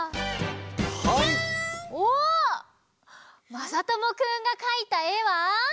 まさともくんがかいたえは？